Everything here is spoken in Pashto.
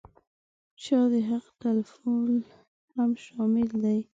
چا د حق تلفول هم شامل دي.